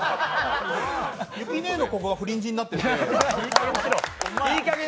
ゆき姉のここがフリンジになっていて。